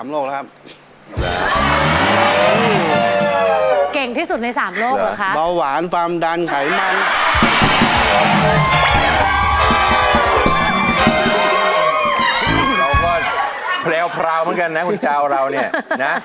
เราก็แพรวเหมือนกันนะคุณเจ้าเราเนี่ยนะ